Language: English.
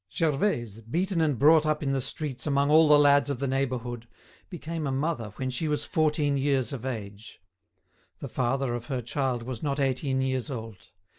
Gervaise, beaten and brought up in the streets among all the lads of the neighbourhood, became a mother when she was fourteen years of age. The father of her child was not eighteen years old.